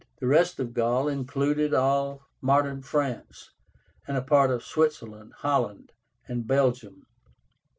The rest of Gaul included all modern France, and a part of Switzerland, Holland, and Belgium.